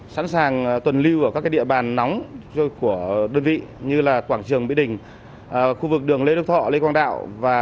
sẵn sàng tuần lưu ở các địa bàn nóng của đơn vị như quảng trường mỹ đình khu vực đường lê đức thọ lê quang đạo